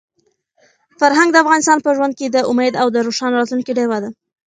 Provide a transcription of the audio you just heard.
فرهنګ د انسان په ژوند کې د امید او د روښانه راتلونکي ډیوه ده.